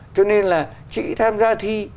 cho nên là chị tham gia thi